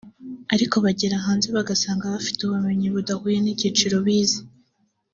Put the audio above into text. ariko bagera hanze bagasanga bafite ubumenyi budahuye n’icyiciro bize